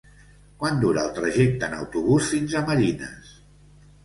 Quant dura el trajecte en autobús fins a Marines?